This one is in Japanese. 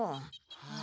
はあ。